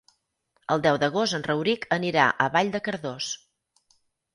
El deu d'agost en Rauric anirà a Vall de Cardós.